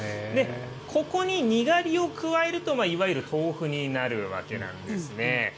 ここににがりを加えると、いわゆる豆腐になるわけなんですね。